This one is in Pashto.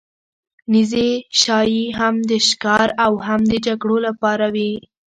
نیزې ښايي هم د ښکار او هم د جګړو لپاره وې.